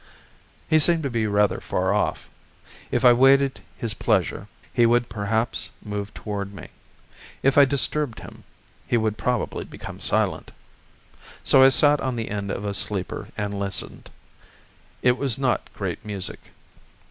He seemed to be rather far off: if I waited his pleasure, he would perhaps move toward me; if I disturbed him, he would probably become silent. So I sat on the end of a sleeper and listened. It was not great music.